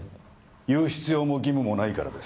言う必要も義務もないからです。